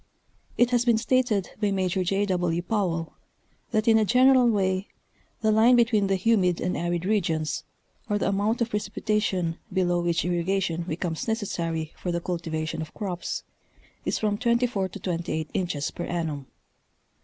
It has been stated by Major J. W. Powell, that in a general way the line between the humid and arid regions, or the amount of precipitation below which irrigation becomes necessary for the cultivation of crops, is from 24 to 28 inches per annum.